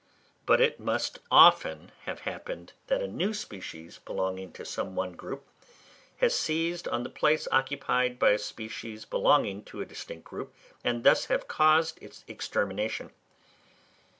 But it must often have happened that a new species belonging to some one group has seized on the place occupied by a species belonging to a distinct group, and thus have caused its extermination.